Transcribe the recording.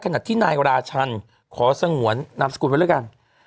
ขณะที่นายราชันขอสงวนนามสกุลไว้แล้วกัน